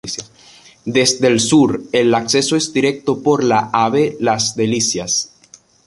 Desde el sur el acceso es directo por la Ave Las Delicias.